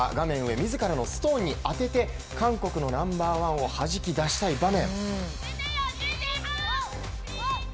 自らのストーンに当てて韓国のナンバーワンをはじき出したい場面。